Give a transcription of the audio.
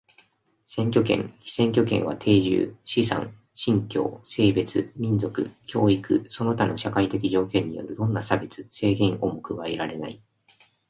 選挙権、被選挙権は定住、資産、信教、性別、民族、教育その他の社会的条件によるどんな差別、制限をも加えられない。